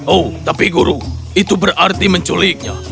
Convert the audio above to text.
oh tapi guru itu berarti menculiknya